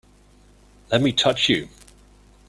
Let me touch you!